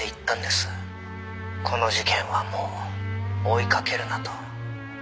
「“この事件はもう追いかけるな”と」